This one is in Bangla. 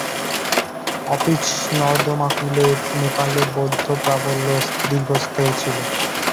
অপিচ নর্মদাকূলে ও নেপালে বৌদ্ধপ্রাবল্য দীর্ঘস্থায়ী ছিল।